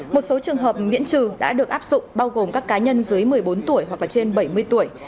một số trường hợp miễn trừ đã được áp dụng bao gồm các cá nhân dưới một mươi bốn tuổi hoặc là trên bảy mươi tuổi